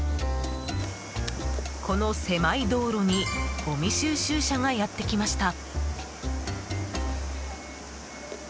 この狭い道路にごみ収集車がやってきました。